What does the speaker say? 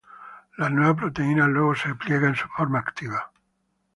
La nueva proteína luego se pliega en su forma activa.